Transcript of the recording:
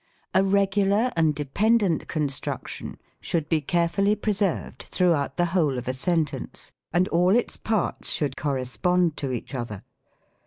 A Regular and dependent construction should be care fully preserved throughout the whole of a sentence, and all its parts should correspond to each other.